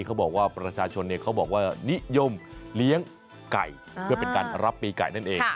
เขาบอกว่าประชาชนเขาบอกว่านิยมเลี้ยงไก่เพื่อเป็นการรับปีไก่นั่นเอง